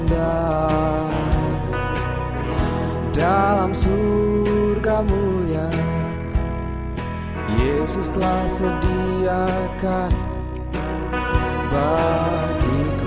dalam surga mulia yesus telah sediakan bagiku